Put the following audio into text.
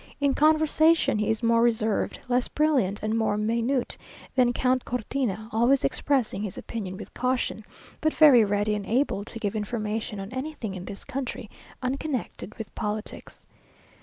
In conversation he is more reserved, less brilliant, and more minute than Count Cortina, always expressing his opinion with caution, but very ready and able to give information on anything in this country, unconnected with politics.